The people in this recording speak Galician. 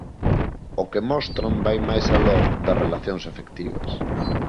O que mostran vai máis aló das relacións afectivas.